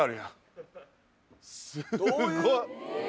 すごい。